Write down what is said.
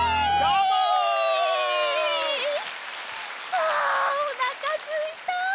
あおなかすいた！